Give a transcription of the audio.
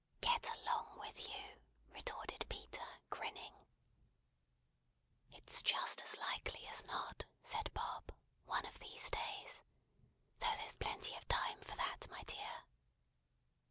"Get along with you!" retorted Peter, grinning. "It's just as likely as not," said Bob, "one of these days; though there's plenty of time for that, my dear.